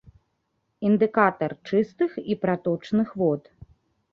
Індыкатар чыстых і праточных вод.